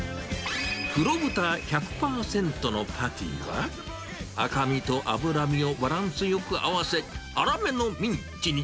黒豚１００％のパティは、赤身と脂身をバランスよく合わせ、粗めのミンチに。